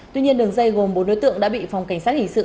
tuy nhiên đường dây gồm bốn đối tượng đã bị phòng cảnh sát hình sự